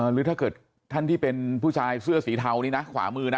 หรือถ้าเกิดท่านที่เป็นผู้ชายเสื้อสีเทานี่นะขวามือนะ